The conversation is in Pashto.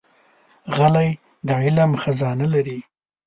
غلی، د علم خزانه لري.